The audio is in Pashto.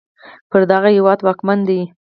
پر دغه هېواد واکمن دی